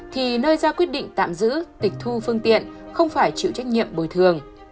thì nơi ra quyết định tạm giữ tịch thu phương tiện không phải chịu trách nhiệm bồi thường